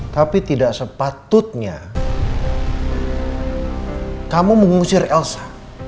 tapi tidak sepatutnya kamu mengusir elsa